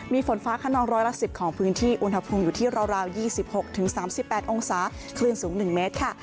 มีฝนฟ้าขนองร้อยละ๑๐ของพื้นที่อุณหภูมิอยู่ที่ราว๒๖๓๘องศาคลื่นสูง๑เมตรค่ะ